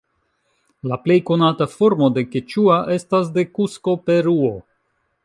La plej konata formo de keĉua estas de Kusko, Peruo.